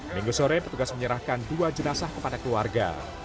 minggu sore petugas menyerahkan dua jenazah kepada keluarga